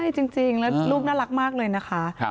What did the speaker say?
ใช่จริงแล้วลูกน่ารักมากเลยนะคะ